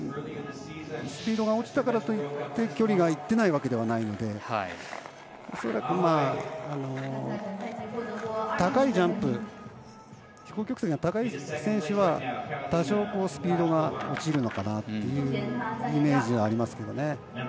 スピードが落ちたからといって距離がいってないわけではないので恐らく今、高いジャンプ飛行曲線が高い選手は多少スピードが落ちるのかなというイメージありますが。